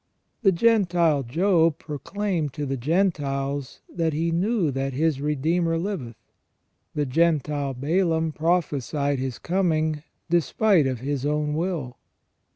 The Gentile Job proclaimed to the Gentiles that he knew that his Redeemer liveth. The Gentile Balaam pro phesied His coming, despite of his own will.